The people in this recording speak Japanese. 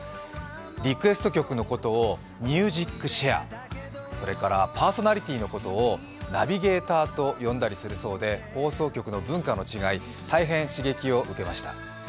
リクエスト曲のことをミュージックシェアそれからパーソナリティーのことをナゲビーターと呼んだりするそうで、放送局の文化の違い、大変刺激を受けました。